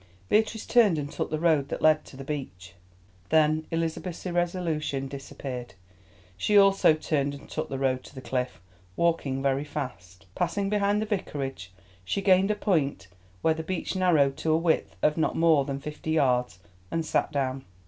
Beatrice turned and took the road that led to the beach. Then Elizabeth's irresolution disappeared. She also turned and took the road to the cliff, walking very fast. Passing behind the Vicarage, she gained a point where the beach narrowed to a width of not more than fifty yards, and sat down.